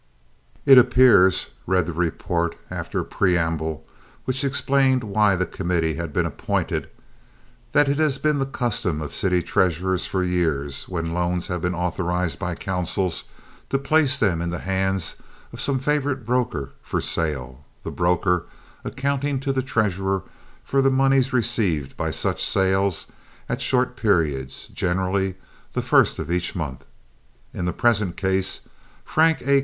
"It appears [read the report, after a preamble which explained why the committee had been appointed] that it has been the custom of city treasurers for years, when loans have been authorized by councils, to place them in the hands of some favorite broker for sale, the broker accounting to the treasurer for the moneys received by such sales at short periods, generally the first of each month. In the present case Frank A.